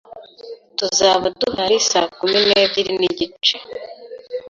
Tuzaba duhari saa kumi n'ebyiri n'igice.